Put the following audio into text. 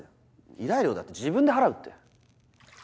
依頼料だって自分で払うって。